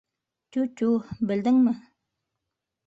Тю-тю, белдеңме?